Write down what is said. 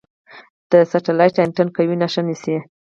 د سټلایټ انتن قوي نښه نیسي.